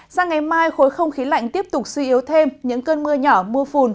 sang ngày mai khối không khí lạnh tiếp tục suy yếu thêm những cơn mưa nhỏ mưa phùn